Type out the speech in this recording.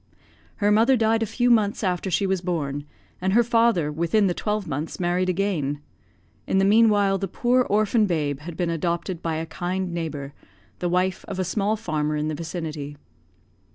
Her mother died a few months after she was born; and her father, within the twelve months, married again. In the meanwhile, the poor orphan babe had been adopted by a kind neighbour, the wife of a small farmer in the vicinity.